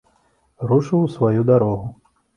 Рушыў у сваю дарогу.